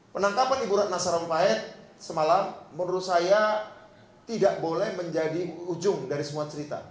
penangkapan ibu ratna sarumpahit semalam menurut saya tidak boleh menjadi ujung dari semua cerita